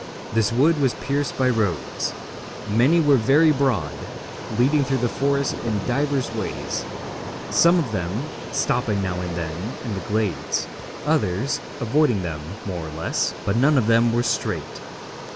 This wood was pierced by roads. Many were very broad, leading through the forest in divers ways, some of them stopping now and then in the glades, others avoiding them more or less, but none of them were straight.